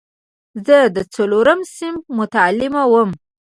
زه د څلورم صنف متعلم وم.